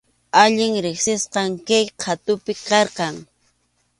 Allin riqsisqam kay qhatupi karqan.